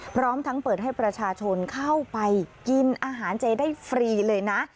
พร้อมทั้งเปิดให้ประชาชนเข้าไปกินอาหารเจได้ฟรีเลยนะ